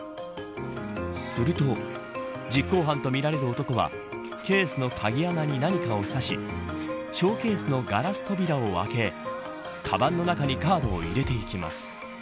すると、実行犯とみられる男はケースの鍵穴に何かを指しショーケースのガラス扉を開けかばんの中にカードを入れていきます。